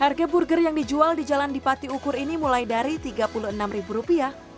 harga burger yang dijual di jalan dipati ukur ini mulai dari rp tiga puluh enam